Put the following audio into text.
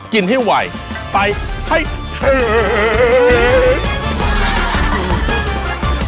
กินที่ไหวไปให้เธอ